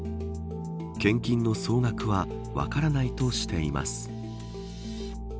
献金の総額は分からないとしています。